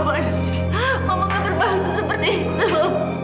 mama nggak berbahasa seperti itu